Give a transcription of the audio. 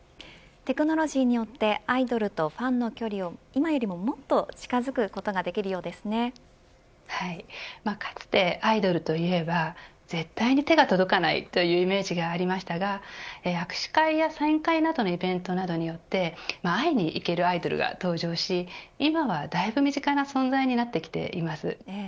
テクノロジーによってアイドルとファンの距離を今よりももっとかつて、アイドルといえば絶対に手が届かないというイメージがありましたが握手会やサイン会などのイベントなどによって会いに行けるアイドルが登場し今はだいぶ身近な存在になってきています。